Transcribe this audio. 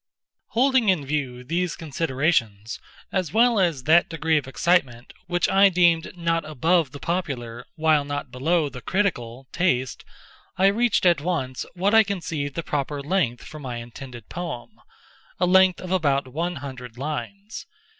Holding in view these considerations, as well as that degree of excitement which I deemed not above the popular, while not below the critical, taste, I reached at once what I conceived the proper length for my intended poem—a length of about one hundred lines.